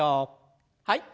はい。